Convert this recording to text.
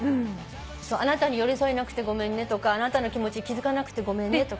あなたに寄り添えなくてごめんねとかあなたの気持ちに気付かなくてごめんねとか。